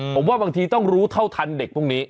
ผมว่าบางทีต้องรู้เท่าทันเด็กพวกนี้